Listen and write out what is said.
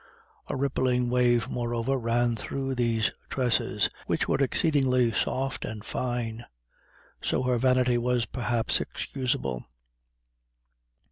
A rippling wave, moreover, ran through these tresses, which were exceedingly soft and fine; so her vanity was perhaps excusable.